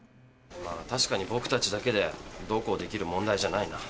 まあ確かに僕たちだけでどうこうできる問題じゃないな。